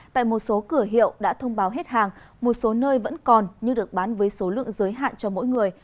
tại một số cửa hiệu đã thông báo hết hàng một số nơi vẫn còn nhưng được bán với số lượng giới hạn cho mỗi người